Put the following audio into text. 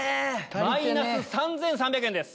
マイナス３３００円です。